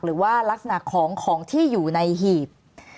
หรือว่ารักษณะของของที่อยู่ในหีบ